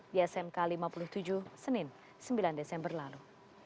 di smk lima puluh tujuh senin sembilan desember lalu